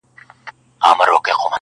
د اوښکو ته مو لپې لوښي کړې که نه.